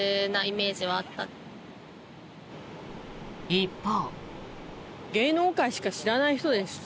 一方。